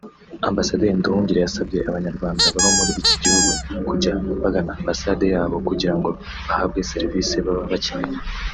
Ambasaderi Nduhungirehe yasabye abanyarwanda baba muri iki gihugu kujya bagana Ambasade yabo kugira ngo bahabwe serivisi baba bakeneye